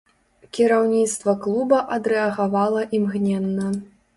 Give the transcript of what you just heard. Кіраўніцтва клуба адрэагавала імгненна.